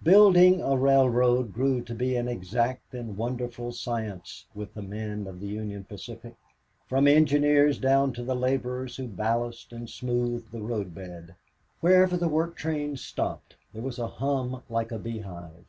35 Building a railroad grew to be an exact and wonderful science with the men of the Union Pacific, from engineers down to the laborers who ballasted and smoothed the road bed. Wherever the work trains stopped there began a hum like a bee hive.